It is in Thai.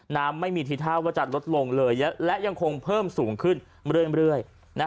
น้ำไม่มีทีท่าว่าจะลดลงเลยและยังคงเพิ่มสูงขึ้นเรื่อย